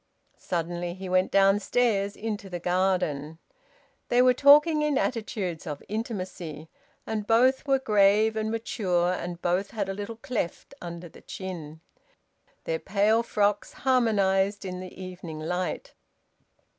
Suddenly he went downstairs into the garden. They were talking in attitudes of intimacy; and both were grave and mature, and both had a little cleft under the chin. Their pale frocks harmonised in the evening light.